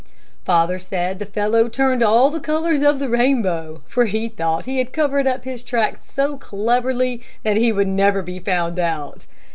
Father said the fellow turned all the colors of the rainbow, for he thought he had covered up his tracks so cleverly that he would never be found out.